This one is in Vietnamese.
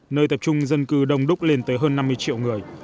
nơi tập trung dân cư đông đúc lên tới hơn năm mươi triệu người